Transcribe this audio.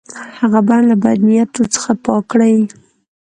هغه بڼ له بد نیتو څخه پاک کړي.